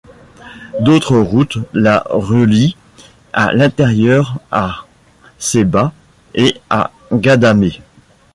D'autres routes la relient à l'intérieur à Sebha et à Ghadamès.